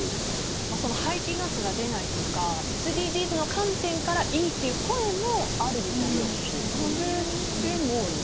排気ガスが出ないとかＳＤＧｓの観点からいいという声もあるみたいなんですね。